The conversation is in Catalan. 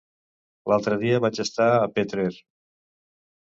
L'altre dia vaig estar a Petrer.